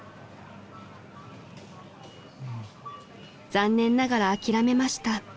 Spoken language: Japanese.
［残念ながら諦めました］